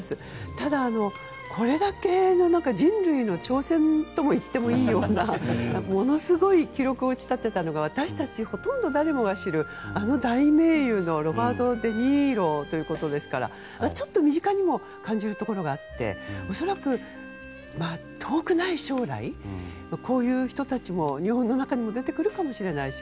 ただ、これだけ人類の挑戦とも言っていいようなすごい記録を打ち立てたのが私たちほとんど誰もが知るあの大名優のロバート・デ・ニーロということですからちょっと身近にも感じるところがあって、恐らく遠くない将来こういう人たちも日本の中にも出てくるかもしれないし。